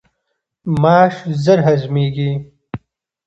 ماش ژر هضمیږي.